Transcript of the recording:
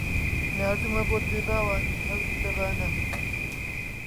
ناردوومە بۆت بێ باوانم هەوری لە بانە